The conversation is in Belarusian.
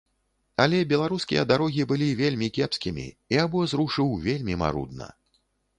Але беларускія дарогі былі вельмі кепскімі, і абоз рушыў вельмі марудна.